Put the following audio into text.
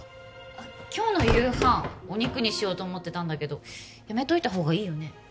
今日の夕飯お肉にしようと思ってたんだけどやめといたほうがいいよね